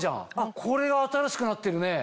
これが新しくなってるね。